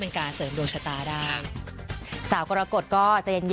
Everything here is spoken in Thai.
ตอนนี้ก็จะเริ่มประสบความสำเร็จได้เรื่อย